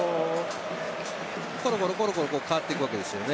ころころ、ころころ変わっていくわけです。